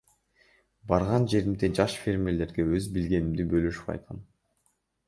Барган жеримде жаш фермерлерге өз билгенимди бөлүшүп кайтам.